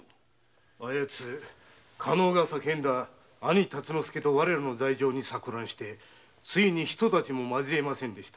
あやつ加納が叫んだ兄・達之助と我らの罪状に錯乱して遂にひと太刀も交えませんでした。